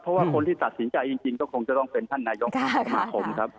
เพราะว่าคนที่ตัดสินใจจริงก็คงจะต้องเป็นท่านนายก็คือ